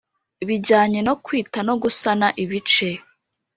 bijyanye no kwita no gusana ibice